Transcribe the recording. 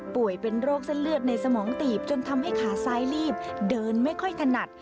เป็นโรคเส้นเลือดในสมองตีบจนทำให้ขาซ้ายลีบเดินไม่ค่อยถนัด